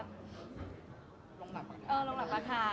ลงหลักละลงหลักละค่ะ